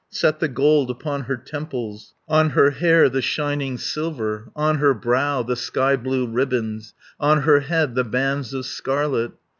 Set the gold upon her temples, On her hair the shining silver, On her brow the sky blue ribands, On her head the bands of scarlet.